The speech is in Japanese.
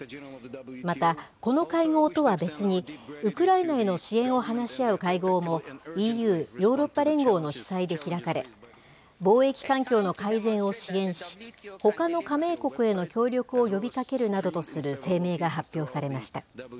また、この会合とは別に、ウクライナへの支援を話し合う会合もＥＵ・ヨーロッパ連合の主催で開かれ、貿易環境の改善を支援し、ほかの加盟国への協力を呼びかけるなどとする声明が発表されました。